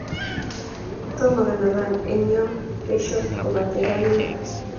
tomo kanaban eng nyo besho kobate kamenyu.